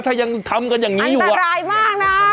ถ้ายังทำกันอย่างนี้อยู่อันตรายมากนะ